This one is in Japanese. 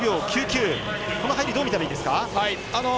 この入りどう見たらいいですか。